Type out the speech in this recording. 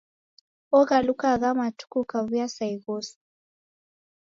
Oghaluka agha matuku ukaw'uya sa ighosi.